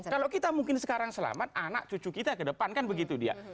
kalau kita mungkin sekarang selamat anak cucu kita ke depan kan begitu dia